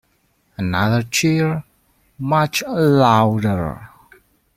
Another cheer, much louder.